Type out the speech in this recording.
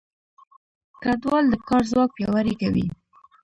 کډوال د کار ځواک پیاوړی کوي.